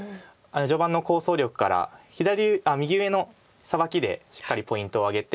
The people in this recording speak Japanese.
序盤の構想力から右上のサバキでしっかりポイントを挙げて。